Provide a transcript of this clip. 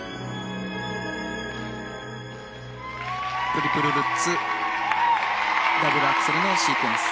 トリプルルッツダブルアクセルのシークエンス。